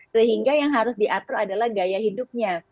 sehingga yang harus diatur adalah gaya hidupnya